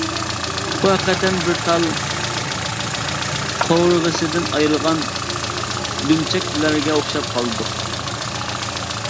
بۇ ھەقىقەتەن بىر تال قوۋۇرغىسىدىن ئايرىلغان دۈمچەكلەرگە ئوخشاپ قالدۇق.